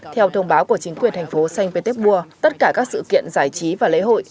theo thông báo của chính quyền thành phố saint petersburg tất cả các sự kiện giải trí và lễ hội